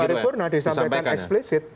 di paripurna disampaikan eksplisit